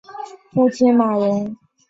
父亲马荣。